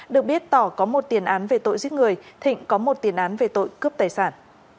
được biết tỏ có một tiền án về tội giết người thịnh có một tiền án về tội cướp tài sản